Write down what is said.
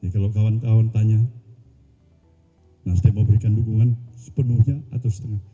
kalau kawan kawan tanya nasdem mau berikan dukungan sepenuhnya atau setengah